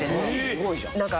すごいじゃん。